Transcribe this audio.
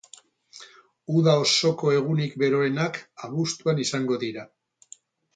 Uda osoko egunik beroenak abuztuan izango dira.